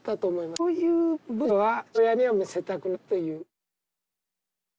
こういう文章は父親には見せたくないという。